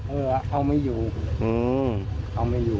เนี่ยเอาไม่อยู่